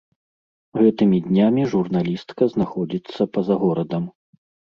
Гэтымі днямі журналістка знаходзіцца па-за горадам.